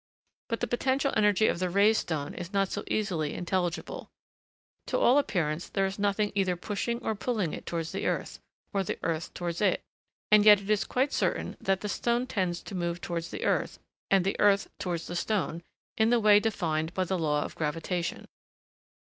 But the potential energy of the raised stone is not so easily intelligible. To all appearance, there is nothing either pushing or pulling it towards the earth, or the earth towards it; and yet it is quite certain that the stone tends to move towards the earth and the earth towards the stone, in the way defined by the law of gravitation.